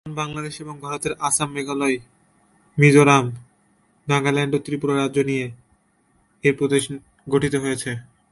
বর্তমান বাংলাদেশ এবং ভারতের আসাম, মেঘালয়, মিজোরাম, নাগাল্যান্ড ও ত্রিপুরা রাজ্য নিয়ে এই প্রদেশ গঠিত হয়েছিল।